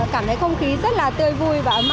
cảm thấy không khí rất là tươi vui và ấm áp